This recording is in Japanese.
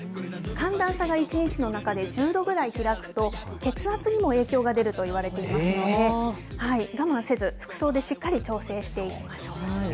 寒暖差が一日の中で１０度ぐらいひらくと、血圧にも影響が出るといわれていますので、我慢せず、服装でしっかり調整してみましょう。